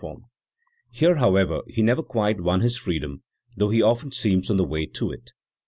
song form. Here, however, he never quite won his freedom, though he often seems on the way to it.